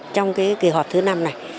trong cái kỳ họp thứ năm này